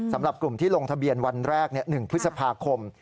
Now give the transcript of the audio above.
สำหรับกลุ่มที่ลงทะเบียนวันแรก๑พฤษภาคม